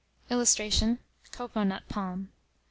[Illustration: COCOA NUT PALM.